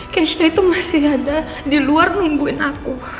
kesha itu masih ada di luar nungguin aku